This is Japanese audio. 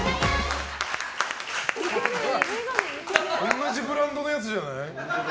同じブランドのやつじゃない？